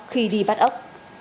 khi đi bắt ấp